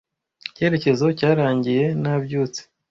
Icyerekezo cyarangiye. Nabyutse